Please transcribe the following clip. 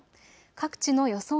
各地の予想